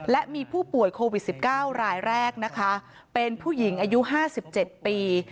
และมีผู้ป่วยโควิด๑๙รายแรกนะคะเป็นผู้หญิงอายุ๕๗ปี